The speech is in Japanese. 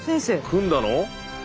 組んだの？